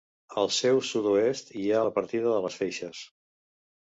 Al seu sud-oest hi ha la partida de les Feixes.